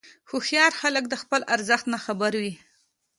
هوښیار خلک د خپل ارزښت نه خبر وي.